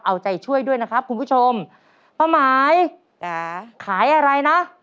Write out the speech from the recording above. เอาใจช่วยด้วยนะครับคุณผู้ชมป้าหมายขายอะไรนะ